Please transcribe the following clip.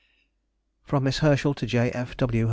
FROM MISS HERSCHEL TO J. F. W.